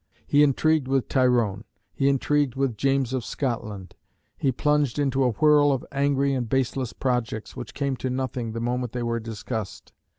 He intrigued with Tyrone; he intrigued with James of Scotland; he plunged into a whirl of angry and baseless projects, which came to nothing the moment they were discussed.